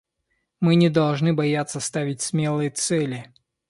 Мы не должны бояться ставить смелые цели.